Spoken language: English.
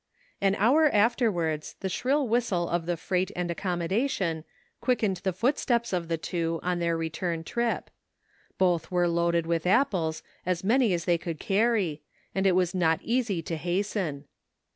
A N hour afterwards the shrill whistle of the "freight and accommodation" quickened the footsteps of the two on their return trip. Both weie loaded with apples as many as they could carry, and it was not easy to hasten.